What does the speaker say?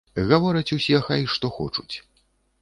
Гавораць усе хай што хочуць.